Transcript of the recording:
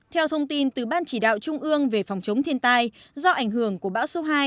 theo thông tin từ ban chỉ đạo trung ương về phòng chống thiên tai do ảnh hưởng của bão số hai